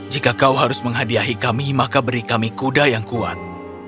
jika kau harus menghadiahi kami maka beri kami kuda yang kuat